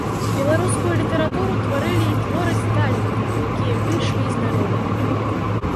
Беларускую літаратуру тварылі і твораць таленты, якія выйшлі з народа.